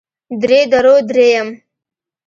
درې درو درېيم